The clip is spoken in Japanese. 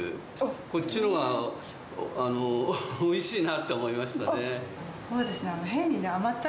こっちのほうがおいしいなって思いましたね。